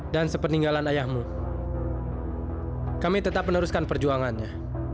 sepeninggalan ayahmu kami tetap meneruskan perjuangannya